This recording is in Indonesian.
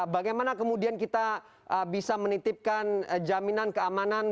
bagaimana kemudian kita bisa menitipkan jaminan keamanan